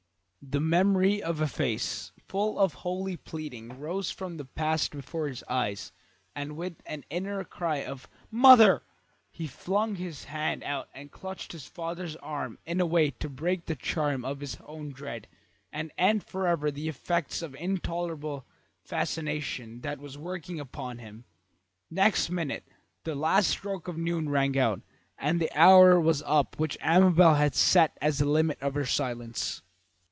the memory of a face full of holy pleading rose from the past before his eyes and with an inner cry of "Mother!" he flung his hand out and clutched his father's arm in a way to break the charm of his own dread and end forever the effects of the intolerable fascination that was working upon him. Next minute the last stroke of noon rang out, and the hour was up which Amabel had set as the limit of her silence.